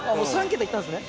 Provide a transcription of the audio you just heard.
３桁行ったんですね。